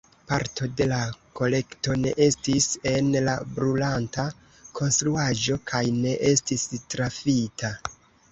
Parto de la kolekto ne estis en la brulanta konstruaĵo kaj ne estis trafita.